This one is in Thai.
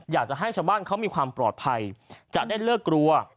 อยากจะให้ชาวบ้านเขามีความปลอดภัยจะได้เลิกกลัว